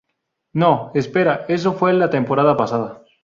No, espera, eso fue la temporada pasada.